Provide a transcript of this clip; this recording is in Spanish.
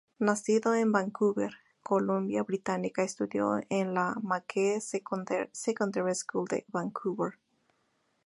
Nacido en Vancouver, Columbia Británica, estudió en la Magee Secondary School de Vancouver.